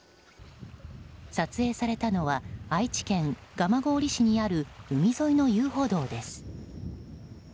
撮影されたのは愛知県蒲郡市にある海沿いの遊歩道です。